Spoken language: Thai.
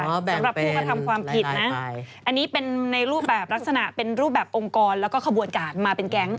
สำหรับผู้กระทำความผิดนะอันนี้เป็นในรูปแบบลักษณะเป็นรูปแบบองค์กรแล้วก็ขบวนการมาเป็นแก๊ง